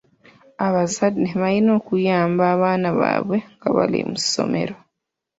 Abazadde balina okuyamba abaana baabwe nga bali mu ssomero.